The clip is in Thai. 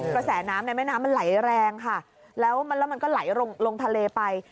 กระแสน้ำในแม่น้ำมันไหลแรงค่ะแล้วมันก็ไหลลงทะเลไป